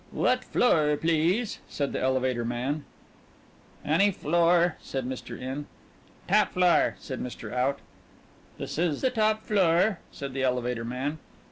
"What floor, please?" said the elevator man. "Any floor," said Mr. In. "Top floor," said Mr. Out. "This is the top floor," said the elevator man.